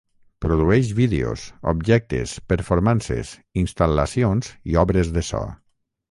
Produeix vídeos, objectes, performances, instal·lacions i obres de so.